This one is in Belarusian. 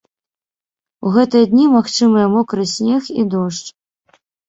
У гэтыя дні магчымыя мокры снег і дождж.